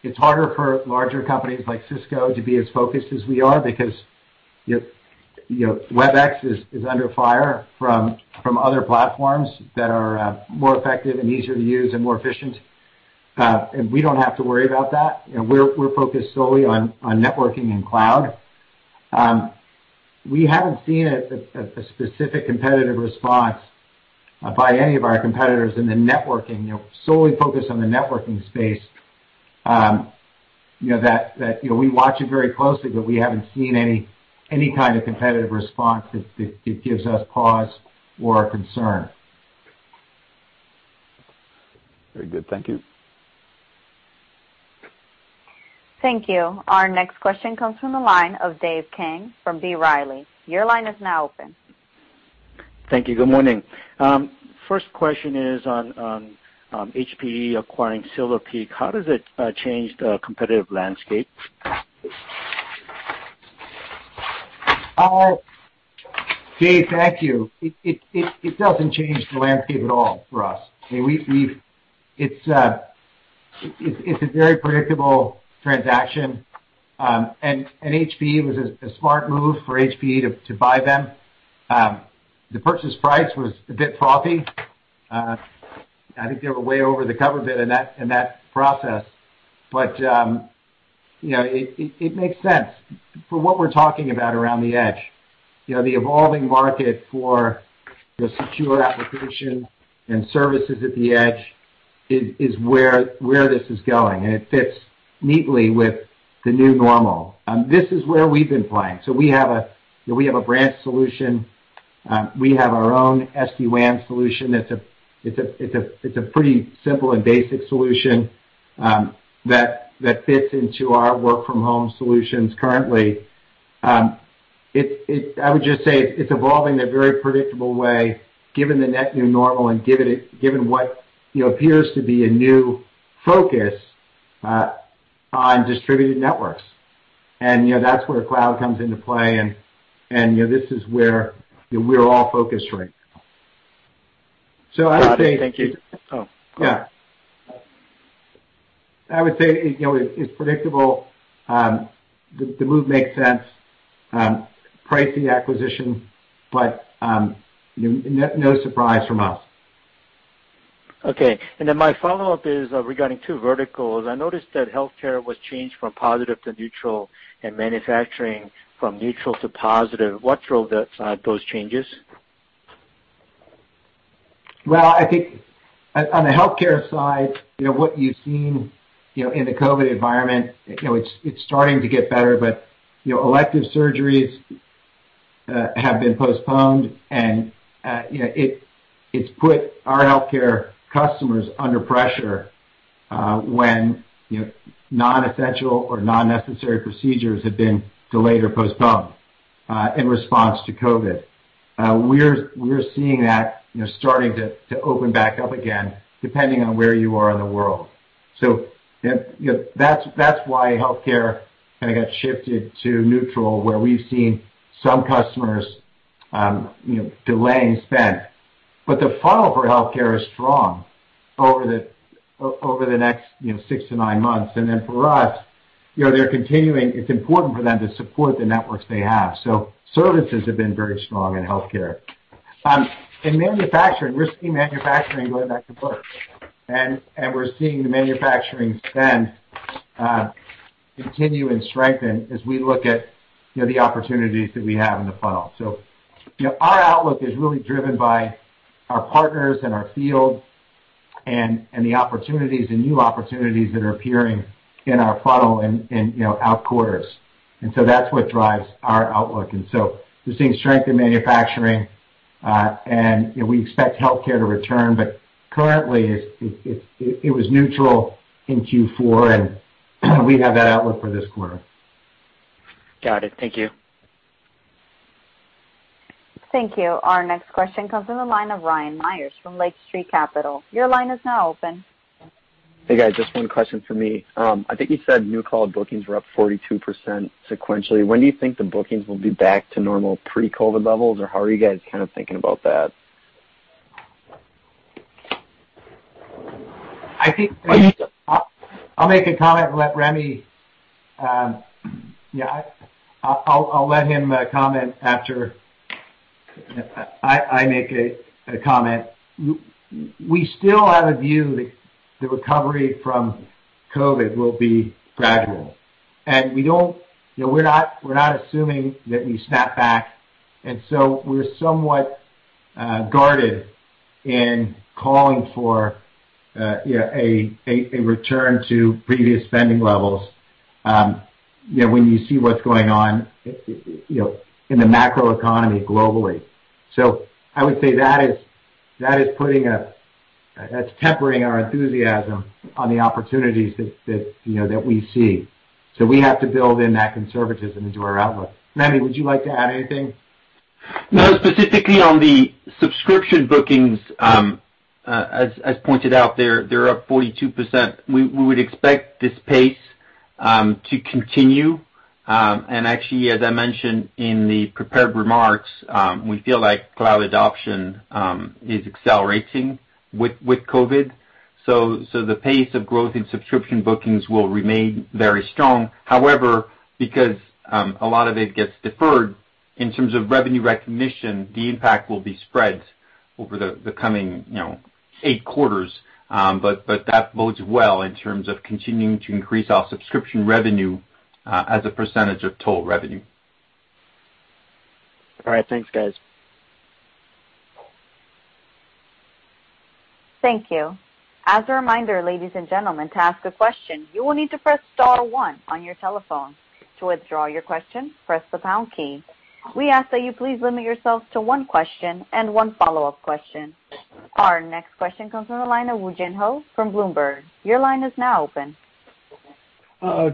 It's harder for larger companies like Cisco to be as focused as we are because Webex is under fire from other platforms that are more effective and easier to use and more efficient. We don't have to worry about that. We're focused solely on networking and cloud. We haven't seen a specific competitive response by any of our competitors in the networking, solely focused on the networking space. We watch it very closely, we haven't seen any kind of competitive response that gives us pause or a concern. Very good. Thank you. Thank you. Our next question comes from the line of Dave Kang from B. Riley. Your line is now open. Thank you. Good morning. First question is on HPE acquiring Silver Peak. How does it change the competitive landscape? Dave, thank you. It doesn't change the landscape at all for us. It's a very predictable transaction, and it was a smart move for HPE to buy them. The purchase price was a bit frothy. I think they were way over the cover bid in that process. It makes sense for what we're talking about around the edge. The evolving market for the secure application and services at the edge is where this is going, and it fits neatly with the new normal. This is where we've been playing. We have a branch solution. We have our own SD-WAN solution that's a pretty simple and basic solution that fits into our work from home solutions currently. I would just say it's evolving in a very predictable way given the net new normal and given what appears to be a new focus on distributed networks. That's where cloud comes into play, and this is where we're all focused right now. I would say- Got it. Thank you. Yeah. I would say it's predictable. The move makes sense, pricey acquisition, but no surprise from us. Okay, then my follow-up is regarding two verticals. I noticed that healthcare was changed from positive to neutral and manufacturing from neutral to positive. What drove those changes? I think on the healthcare side, what you've seen in the COVID environment, it's starting to get better, but elective surgeries have been postponed, and it's put our healthcare customers under pressure when non-essential or non-necessary procedures have been delayed or postponed in response to COVID. We're seeing that starting to open back up again, depending on where you are in the world. That's why healthcare kind of got shifted to neutral, where we've seen some customers delaying spend. The funnel for healthcare is strong over the next six to nine months. For us, it's important for them to support the networks they have. Services have been very strong in healthcare. In manufacturing, we're seeing manufacturing going back to work, and we're seeing the manufacturing spend continue and strengthen as we look at the opportunities that we have in the funnel. Our outlook is really driven by our partners and our field and the opportunities and new opportunities that are appearing in our funnel and out quarters. That's what drives our outlook. We're seeing strength in manufacturing, and we expect healthcare to return. Currently, it was neutral in Q4, and we have that outlook for this quarter. Got it. Thank you. Thank you. Our next question comes from the line of Ryan Meyers from Lake Street Capital Markets. Your line is now open. Hey, guys. Just one question for me. I think you said new cloud bookings were up 42% sequentially. When do you think the bookings will be back to normal pre-COVID levels, or how are you guys kind of thinking about that? I think I'll make a comment and let Rémi comment after. We still have a view that the recovery from COVID will be gradual. We're not assuming that we snap back, and so we're somewhat guarded in calling for a return to previous spending levels when you see what's going on in the macroeconomy globally. I would say that's tempering our enthusiasm on the opportunities that we see. We have to build in that conservatism into our outlook. Rémi, would you like to add anything? No. Specifically on the subscription bookings, as pointed out, they're up 42%. We would expect this pace to continue. Actually, as I mentioned in the prepared remarks, we feel like cloud adoption is accelerating with COVID. The pace of growth in subscription bookings will remain very strong. However, because a lot of it gets deferred in terms of revenue recognition, the impact will be spread over the coming eight quarters. That bodes well in terms of continuing to increase our subscription revenue as a percentage of total revenue. All right. Thanks, guys. Thank you. As a reminder, ladies and gentlemen, to ask a question, you will need to press star one on your telephone. To withdraw your question, press the pound key. We ask that you please limit yourselves to one question and one follow-up question. Our next question comes from the line of Woo Jin Ho from Bloomberg. Your line is now open.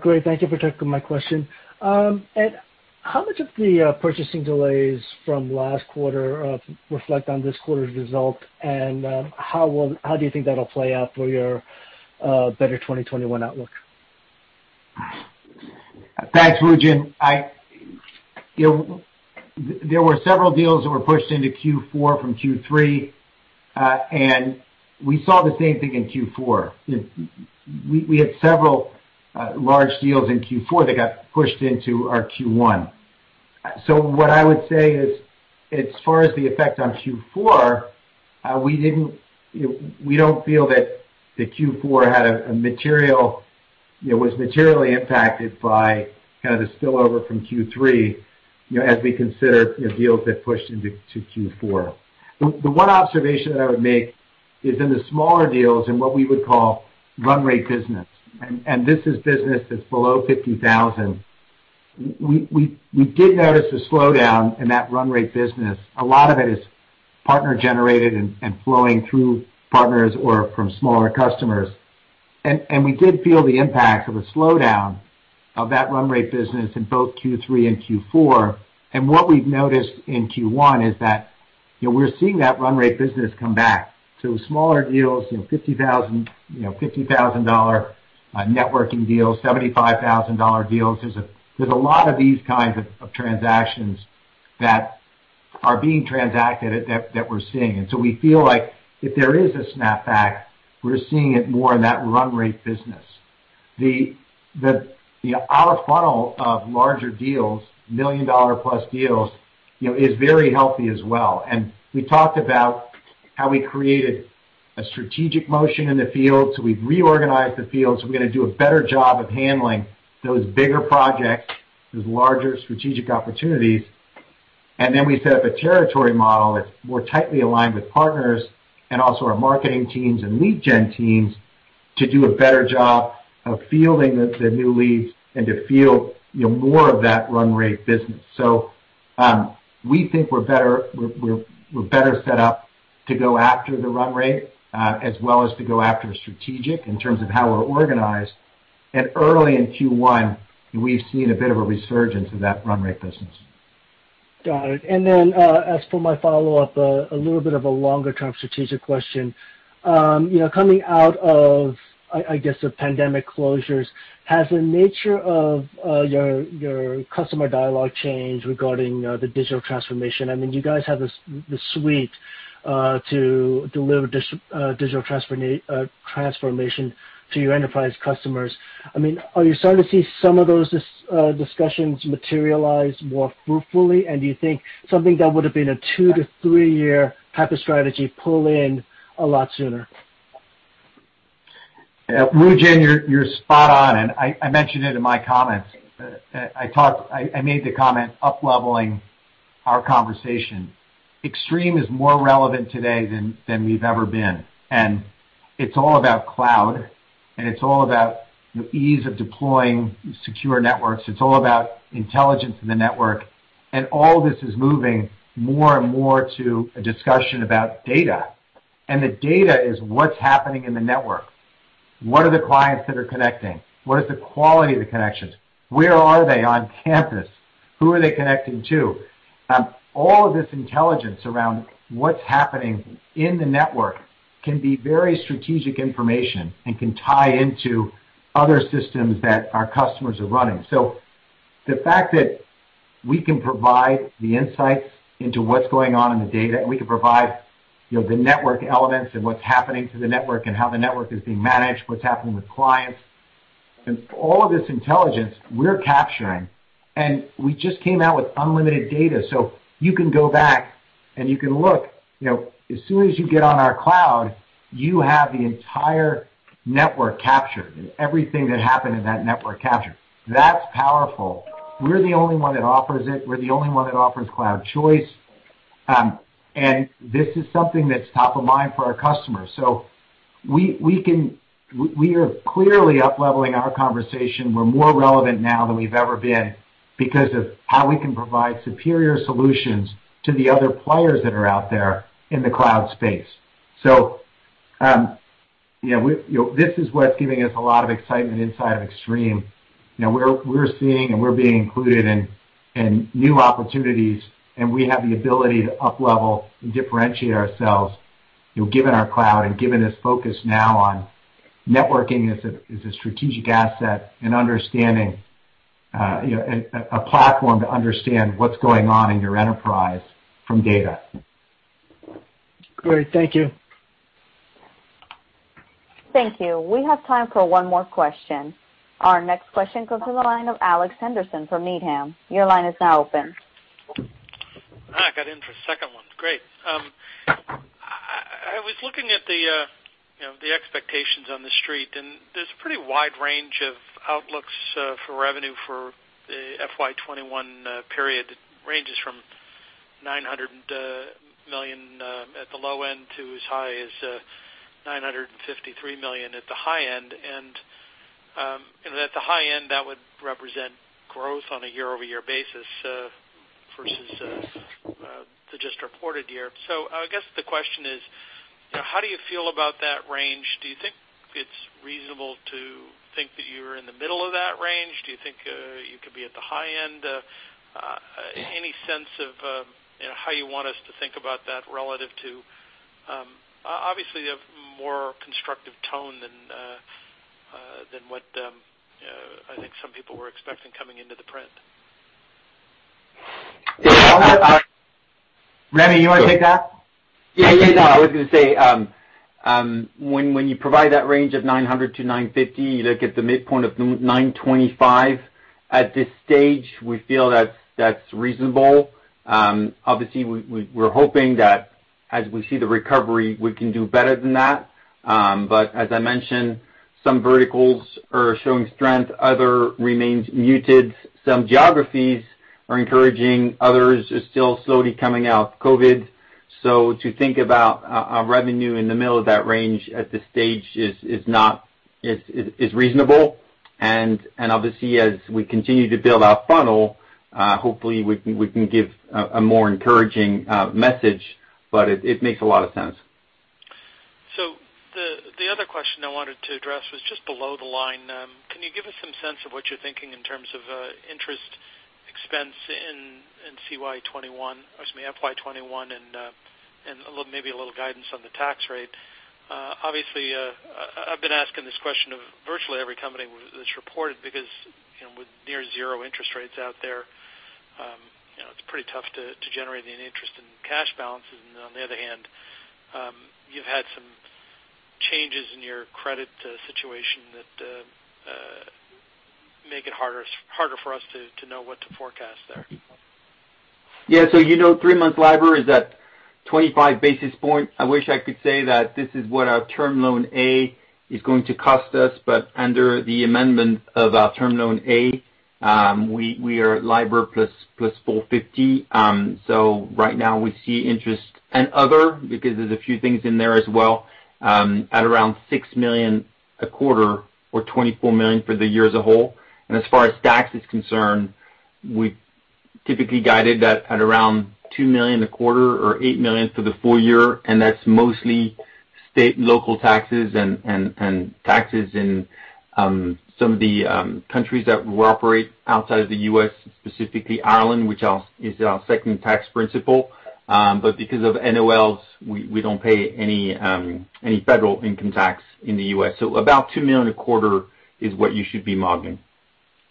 Great. Thank you for taking my question. Ed, how much of the purchasing delays from last quarter reflect on this quarter's result, and how do you think that'll play out for your better 2021 outlook? Thanks, Woo Jin. There were several deals that were pushed into Q4 from Q3. We saw the same thing in Q4. We had several large deals in Q4 that got pushed into our Q1. What I would say is, as far as the effect on Q4, we don't feel that the Q4 was materially impacted by the spillover from Q3 as we consider deals that pushed into Q4. The one observation that I would make is in the smaller deals, in what we would call run rate business. This is business that's below 50,000. We did notice a slowdown in that run rate business. A lot of it is partner-generated and flowing through partners or from smaller customers. We did feel the impact of a slowdown of that run rate business in both Q3 and Q4. What we've noticed in Q1 is that we're seeing that run rate business come back. Smaller deals, $50,000 networking deals, $75,000 deals. There's a lot of these kinds of transactions that are being transacted that we're seeing. We feel like if there is a snap back, we're seeing it more in that run rate business. Our funnel of larger deals, million-dollar-plus deals, is very healthy as well. We talked about how we created a strategic motion in the field. We've reorganized the field, so we're going to do a better job of handling those bigger projects, those larger strategic opportunities. We set up a territory model that's more tightly aligned with partners and also our marketing teams and lead gen teams to do a better job of fielding the new leads and to field more of that run rate business. We think we're better set up to go after the run rate as well as to go after strategic in terms of how we're organized. Early in Q1, we've seen a bit of a resurgence of that run rate business. Got it. As for my follow-up, a little bit of a longer-term strategic question. Coming out of, I guess, the pandemic closures, has the nature of your customer dialogue changed regarding the digital transformation? You guys have the suite to deliver digital transformation to your enterprise customers. Are you starting to see some of those discussions materialize more fruitfully? Do you think something that would have been a two to three-year type of strategy pull in a lot sooner? Woo Jin, you're spot on, and I mentioned it in my comments. I made the comment up-leveling our conversation. Extreme is more relevant today than we've ever been, and it's all about cloud, and it's all about the ease of deploying secure networks. It's all about intelligence in the network. All this is moving more and more to a discussion about data. The data is what's happening in the network. What are the clients that are connecting? What is the quality of the connections? Where are they on campus? Who are they connecting to? All of this intelligence around what's happening in the network can be very strategic information and can tie into other systems that our customers are running. The fact that we can provide the insights into what's going on in the data, and we can provide the network elements and what's happening to the network and how the network is being managed, what's happening with clients. All of this intelligence we're capturing, and we just came out with unlimited data, so you can go back and you can look. As soon as you get on our cloud, you have the entire network captured, and everything that happened in that network captured. That's powerful. We're the only one that offers it. We're the only one that offers cloud choice. This is something that's top of mind for our customers. We are clearly up-leveling our conversation. We're more relevant now than we've ever been because of how we can provide superior solutions to the other players that are out there in the cloud space. This is what's giving us a lot of excitement inside of Extreme. We're seeing and we're being included in new opportunities, and we have the ability to up-level and differentiate ourselves, given our cloud and given this focus now on networking as a strategic asset and understanding a platform to understand what's going on in your enterprise from data. Great. Thank you. Thank you. We have time for one more question. Our next question goes to the line of Alex Henderson from Needham. Your line is now open. I got in for a second one. Great. I was looking at the expectations on the street, there's a pretty wide range of outlooks for revenue for the FY 2021 period. It ranges from $900 million at the low end to as high as $953 million at the high end. At the high end, that would represent growth on a year-over-year basis versus the just reported year. I guess the question is, how do you feel about that range? Do you think it's reasonable to think that you're in the middle of that range? Do you think you could be at the high end? Any sense of how you want us to think about that relative to, obviously, a more constructive tone than what I think some people were expecting coming into the print. Rémi, you want to take that? No, I was going to say, when you provide that range of $900 million-$950 million, you look at the midpoint of $925 million. At this stage, we feel that's reasonable. Obviously, we're hoping that as we see the recovery, we can do better than that. As I mentioned, some verticals are showing strength, others remain muted. Some geographies are encouraging, others are still slowly coming out of COVID. To think about our revenue in the middle of that range at this stage is reasonable. Obviously, as we continue to build our funnel, hopefully we can give a more encouraging message. It makes a lot of sense. The other question I wanted to address was just below the line. Can you give us some sense of what you're thinking in terms of interest expense in CY 2021, or excuse me, FY 2021, and maybe a little guidance on the tax rate? Obviously, I've been asking this question of virtually every company that's reported, because with near zero interest rates out there, it's pretty tough to generate any interest in cash balances. On the other hand, you've had some changes in your credit situation that make it harder for us to know what to forecast there. You know, three-month LIBOR is at 25 basis points. I wish I could say that this is what our Term Loan A is going to cost us, but under the amendment of our Term Loan A, we are LIBOR plus 450. Right now we see interest and other, because there's a few things in there as well, at around $6 million a quarter or $24 million for the year as a whole. As far as tax is concerned, we typically guided that at around $2 million a quarter or $8 million for the full year, and that's mostly state and local taxes and taxes in some of the countries that we operate outside of the U.S., specifically Ireland, which is our second tax principle. Because of NOLs, we don't pay any federal income tax in the U.S. About $2 million a quarter is what you should be modeling.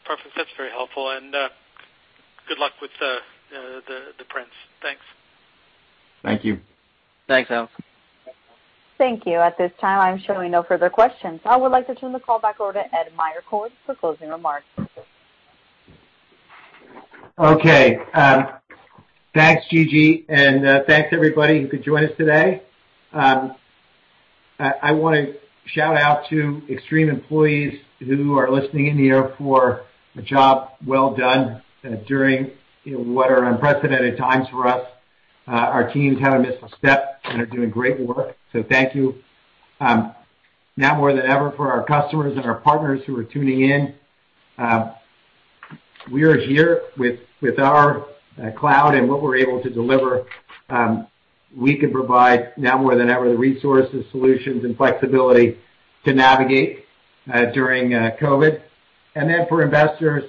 Perfect. That's very helpful. Good luck with the prints. Thanks. Thank you. Thanks, Alex. Thank you. At this time, I am showing no further questions. I would like to turn the call back over to Ed Meyercord for closing remarks. Thanks, Gigi, and thanks everybody who could join us today. I want to shout out to Extreme employees who are listening in here for a job well done during what are unprecedented times for us. Our teams haven't missed a step and are doing great work. Thank you. Now more than ever, for our customers and our partners who are tuning in, we are here with our ExtremeCloud and what we're able to deliver. We can provide now more than ever the resources, solutions, and flexibility to navigate during COVID. For investors,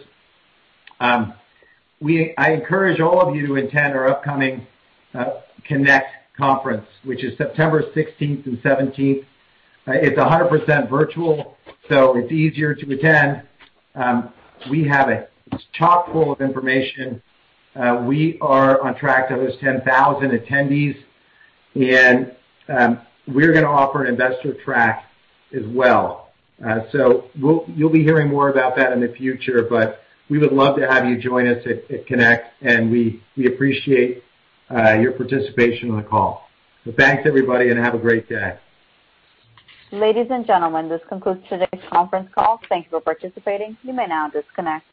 I encourage all of you to attend our upcoming Extreme Connect conference, which is September 16th and 17th. It's 100% virtual, so it's easier to attend. We have a chock full of information. We are on track to host 10,000 attendees. We're going to offer an investor track as well. You'll be hearing more about that in the future, but we would love to have you join us at Connect, and we appreciate your participation on the call. Thanks, everybody, and have a great day. Ladies and gentlemen, this concludes today's conference call. Thank you for participating. You may now disconnect.